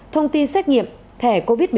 thông tin xét nghiệm thẻ covid một mươi chín